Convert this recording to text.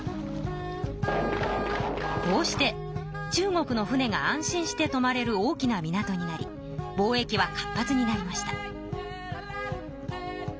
こうして中国の船が安心してとまれる大きな港になり貿易は活発になりました。